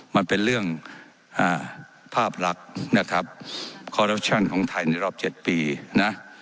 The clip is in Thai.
มันเป็นเรื่องอ่าภาพลักษณ์นะครับของไทยในรอบเจ็ดปีนะ